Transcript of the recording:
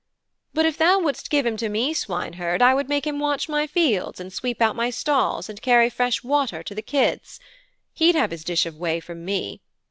But if thou wouldst give him to me, swineherd, I would make him watch my fields, and sweep out my stalls, and carry fresh water to the kids. He'd have his dish of whey from me.